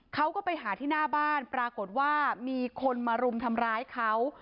เขาก็ไปหาที่หน้าบ้านปรากฏว่ามีคนมารุมทำร้ายเขา